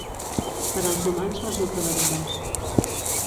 Per als humans resulta verinós.